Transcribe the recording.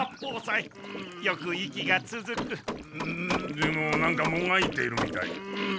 でもなんかもがいてるみたい。